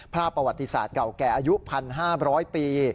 ประวัติศาสตร์เก่าแก่อายุ๑๕๐๐ปี